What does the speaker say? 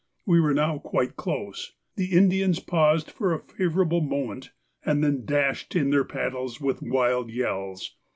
We were now quite close; the Indians paused for a favourable moment, and then dashed in their paddles with wild yells.